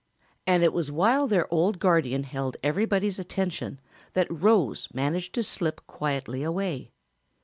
And it was while their old guardian held everybody's attention that Rose managed to slip quietly away.